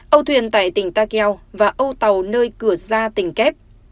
âu thuyền tại tỉnh ta keo và âu tàu nơi cửa ra tỉnh kép